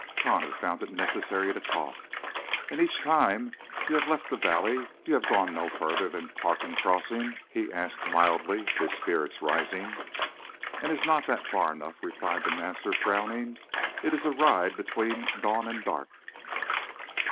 Connor found it necessary to cough. "And each time you have left the valley you have gone no farther than Parkin Crossing?" he asked mildly, his spirits rising. "And is not that far enough?" replied the master, frowning. "It is a ride between dawn and dark."